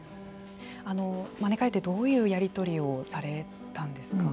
あの招かれてどういうやり取りをされたんですか。